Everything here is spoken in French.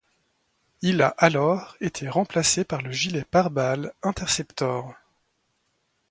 Il a alors été remplacé par le gilet pare-balles Interceptor.